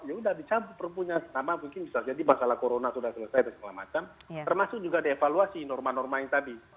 ya sudah dicampur perpunya jadi masalah corona sudah selesai dan semacam termasuk juga dievaluasi norma normanya tadi